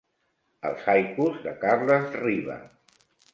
Els haikus de Carles Riba.